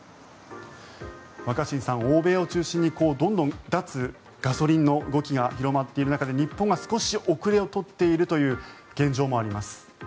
若新さん、欧米を中心にどんどん脱ガソリンの動きが広まっている中で日本が少し後れを取っているという現状もあります。